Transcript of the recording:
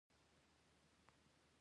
دا د هغه د کمولو مصداق ګڼل کیږي.